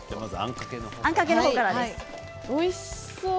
おいしそう。